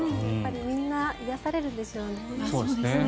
みんな癒やされるんでしょうね。